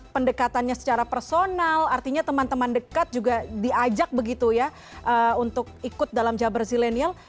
pendekatannya secara personal artinya teman teman dekat juga diajak begitu ya untuk ikut dalam jabar zilenial